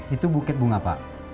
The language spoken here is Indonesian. itu bukit bunga pak